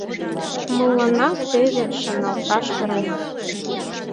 Мыланна теве шоналташ перна.